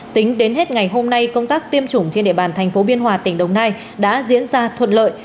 tính đến hết ngày hôm nay công tác tiêm chủng trên địa bàn thành phố biên hòa tỉnh đồng nai đã diễn ra thuận lợi